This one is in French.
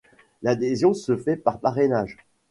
L'adhésion se fait par parrainage.